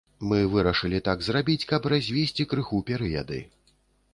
Мы вырашылі так зрабіць, каб развесці крыху перыяды.